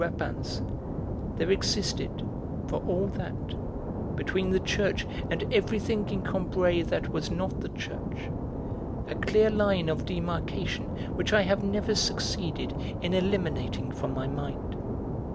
Rapin's, there existed, for all that, between the church and everything in Combray that was not the church a clear line of demarcation which I have never succeeded in eliminating from my mind.